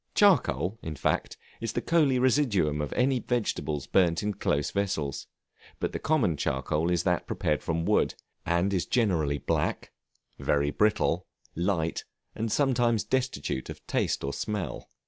Charcoal, in fact, is the coaly residuum of any vegetables burnt in close vessels; but the common charcoal is that prepared from wood, and is generally black, very brittle, light, and destitute of taste or smell.